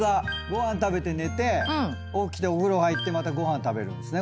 ご飯食べて寝て起きてお風呂入ってまたご飯食べるんですね。